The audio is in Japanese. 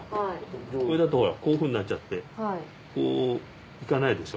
これだとほらこういうふうになっちゃってこういかないでしょ？